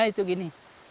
saya minta untuk ini